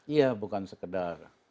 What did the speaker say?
iya bukan sekedar